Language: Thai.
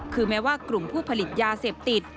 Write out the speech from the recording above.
คือแม้ว่ากลุ่มผู้ผลิตยาเสพติด